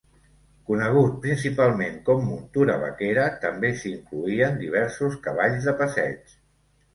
Conegut principalment com "muntura vaquera", també s"hi incloïen diversos cavalls de passeig.